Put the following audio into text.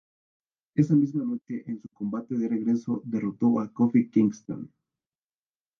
Esa misma noche en su combate de regreso, derrotó a Kofi Kingston.